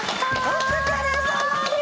お疲れさまです。